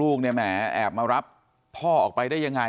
ลูกแมแอบมารับพ่อออกไปด้วยยังไง